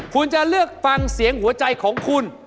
คุณจะเลือกฟังเสียงหัวใจของคุณ